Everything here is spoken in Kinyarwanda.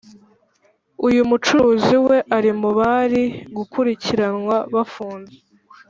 uyu mucuruzi we ari mu bari gukurikiranwa bafunze